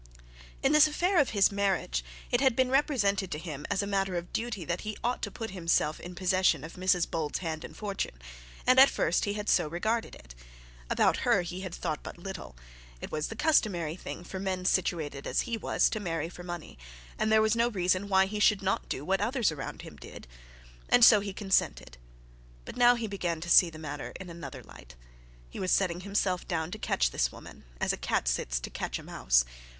In this affair of his marriage, it had been represented to him as a matter of duty that he ought to put himself in possession of Mrs Bold's hand and fortune; and at first he had so regarded it. About her he had thought but little. It was the customary thing for men situated as he was to marry for money, and there was no reason why he should not do what others around him did. And so he consented. But now he began to see the matter in another light. He was setting himself down to catch a woman, as a cat sits to catch a mouse.